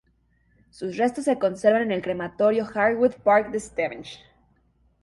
Sus restos se conservan en el Crematorio Harwood Park de Stevenage.